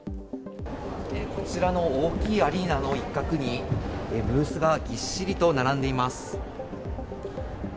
こちらの大きいアリーナの一角に、ブースがぎっしりと並んでいます。